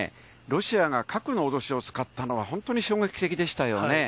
ロシアが核の脅しを使ったのは、本当に衝撃的でしたよね。